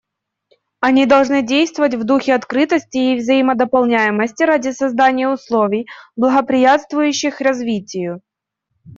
Они должны действовать в духе открытости и взаимодополняемости ради создания условий, благоприятствующих развитию.